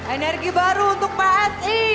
energi baru untuk pak asi